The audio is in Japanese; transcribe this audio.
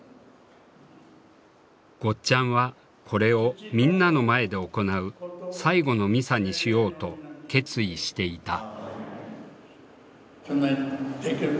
ゴッちゃんはこれをみんなの前で行う最後のミサにしようと決意していた。